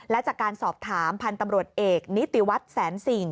และจากการสอบถามพันธุ์ตำรวจเอกนิติวัฒน์แสนสิ่ง